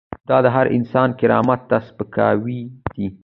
دا د هر انسان کرامت ته سپکاوی دی.